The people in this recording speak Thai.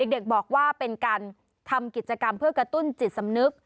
เด็กบอกว่าเป็นการทำกิจกรรมเพื่อกระตุ้นจิตสำนึก